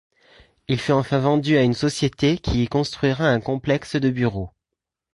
Il fut enfin vendu à une société qui y construira un complexe de bureaux.